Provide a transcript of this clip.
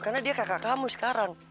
karena dia kakak kamu sekarang